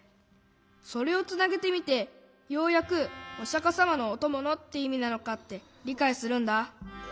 それをつなげてみてようやく「おしゃかさまのおともの」っていみなのかってりかいするんだ。